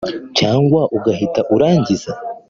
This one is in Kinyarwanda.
cyangwa ugahita urangiza